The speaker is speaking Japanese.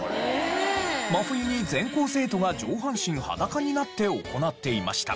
真冬に全校生徒が上半身裸になって行っていました。